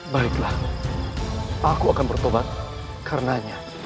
baiklah aku akan bertobat karenanya